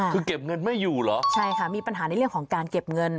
คือเก็บเงินไม่อยู่เหรอใช่ค่ะมีปัญหาในเรื่องของการเก็บเงิน